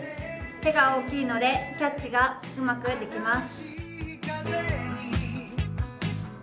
手が大きいのでキャッチがうまくいきます。